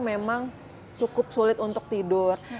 memang cukup sulit untuk tidur